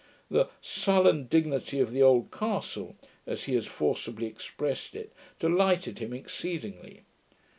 The 'sullen dignity of the old castle', as he has forcibly expressed it, delighted him exceedingly.